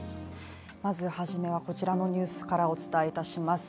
まずはじめはこちらのニュースからお伝えいたします。